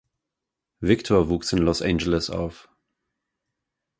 Victor wuchs in Los Angeles auf.